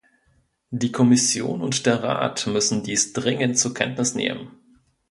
Die Kommission und der Rat müssen dies dringend zur Kenntnis nehmen.